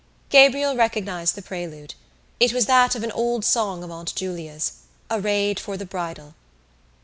Gabriel recognised the prelude. It was that of an old song of Aunt Julia's—Arrayed for the Bridal.